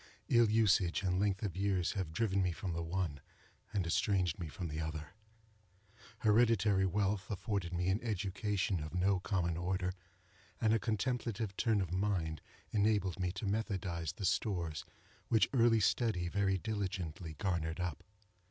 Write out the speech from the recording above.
Ill usage and length of years have driven me from the one, and estranged me from the other. Hereditary wealth afforded me an education of no common order, and a contemplative turn of mind enabled me to methodize the stores which early study very diligently garnered up.